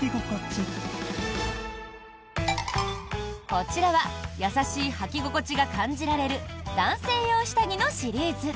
こちらは優しいはき心地が感じられる男性用下着のシリーズ。